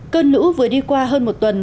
cơn lũ vừa đi qua hơn một tuần